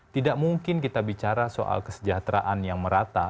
tidak mungkin kita bicara soal kesejahteraan yang merata